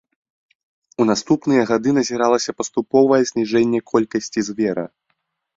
У наступныя гады назіралася паступовае зніжэнне колькасці звера.